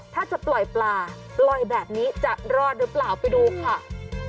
ถ้าจะปล่อยปลาปล่อยแบบนี้จะรอดหรือเปล่าไปดูค่ะ